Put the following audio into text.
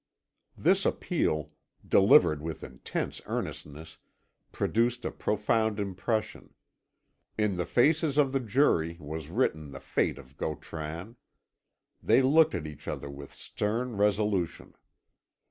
This appeal, delivered with intense earnestness, produced a profound impression. In the faces of the jury was written the fate of Gautran. They looked at each other with stern resolution.